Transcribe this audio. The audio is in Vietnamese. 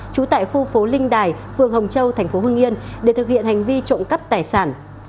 trú tại khu phố linh đài phường hồng châu thành phố hưng yên để thực hiện hành vi trộm cắp tài sản